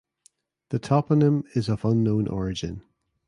The toponym is of unknown origin.